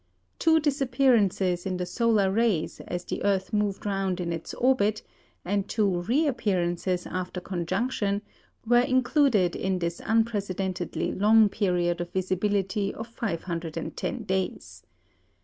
Two disappearances in the solar rays as the earth moved round in its orbit, and two reappearances after conjunction, were included in this unprecedentedly long period of visibility of 510 days.